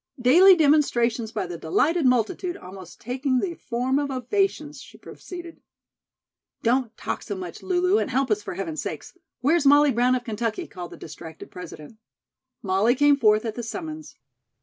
"'Daily demonstrations by the delighted multitude almost taking the form of ovations,'" she proceeded. "Don't talk so much, Lulu, and help us, for Heaven's sake! Where's Molly Brown of Kentucky?" called the distracted President. Molly came forth at the summons.